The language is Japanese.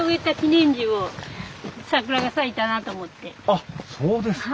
あっそうですか。